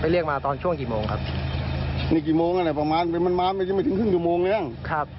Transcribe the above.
เรียกมาตอนช่วงกี่โมงครับนี่กี่โมงอะไรประมาณมันมาไม่ถึงครึ่งชั่วโมงแล้วครับ